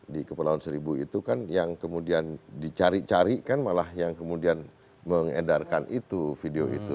di kepulauan seribu itu kan yang kemudian dicari cari kan malah yang kemudian mengedarkan itu video itu